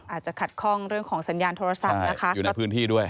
อาจจะขัดข้องเรื่องของสัญญาณโทรศัพท์นะคะอยู่ในพื้นที่ด้วย